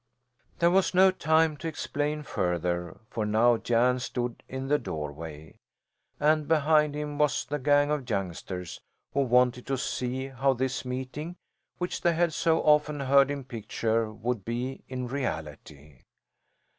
There was no time to explain further, for now Jan stood in the doorway, and behind him was the gang of youngsters, who wanted to see how this meeting, which they had so often heard him picture, would be in reality.